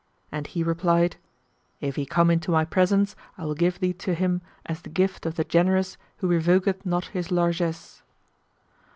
and he replied, "If he come into my presence, I will give thee to him as the gift of the generous who revoketh not his largesse."